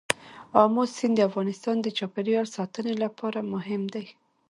آمو سیند د افغانستان د چاپیریال ساتنې لپاره مهم دي.